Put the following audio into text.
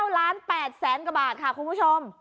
๑๙ล้าน๘แสนกว่าบาทคุณผู้ชม